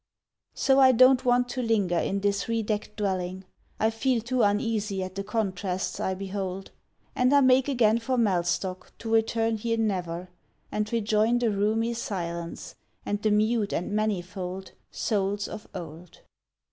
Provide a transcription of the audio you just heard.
So I don't want to linger in this re decked dwelling, I feel too uneasy at the contrasts I behold, And I make again for Mellstock to return here never, And rejoin the roomy silence, and the mute and manifold Souls of old.